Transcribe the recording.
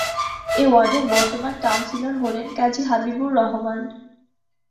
এ ওয়ার্ডের বর্তমান কাউন্সিলর হলেন কাজী হাবিবুর রহমান।